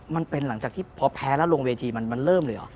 หลังจากที่พอแพ้แล้วลงเวทีมันเริ่มเลยเหรอ